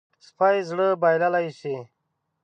سپي زړه بایللی شي.